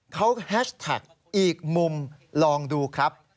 เขาแฮชแท็กอีกมุมลองดูครับ